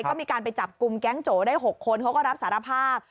ก็มีการไปจับกลุ่มแก๊งโจได้๖คนเขาก็รับสารภาพ